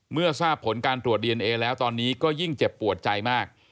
เมื่อทราบผลการตรวจดีเอนเอแล้วตอนนี้ก็ยิ่งเจ็บปวดใจมาก